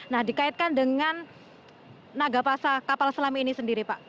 nah dikaitkan dengan nagapasa kapal selam ini sendiri pak